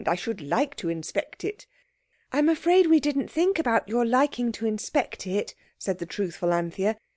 I should like to inspect it." "I'm afraid we didn't think about your liking to inspect it," said the truthful Anthea.